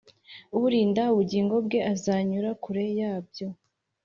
urinda ubugingo bwe azanyura kure yabyo